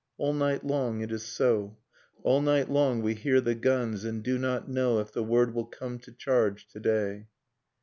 ., All night long it is so, All night long we hear the guns, and do not know If the word will come to charge to day.